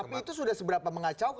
tapi itu sudah seberapa mengacau